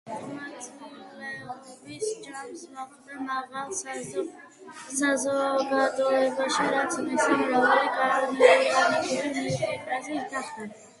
ჯერ კიდევ ყმაწვილობის ჟამს მოხვდა მაღალ საზოგადოებაში, რაც მისი მრავალი გვიანდელი პიესის მიზანსცენა გახდა.